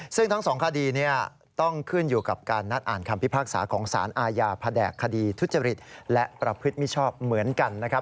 ซึ่งทั้งสองคดีนี้ต้องขึ้นอยู่กับการนัดอ่านคำพิพากษาของสารอาญาแผนกคดีทุจริตและประพฤติมิชชอบเหมือนกันนะครับ